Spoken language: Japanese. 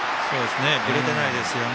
ぶれてないですよね。